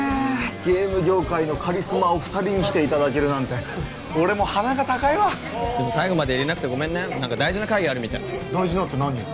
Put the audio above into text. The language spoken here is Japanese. ゲーム業界のカリスマお二人に来ていただけるなんて俺も鼻が高いわでも最後までいれなくてごめんね何か大事な会議あるみたい大事なって何よ？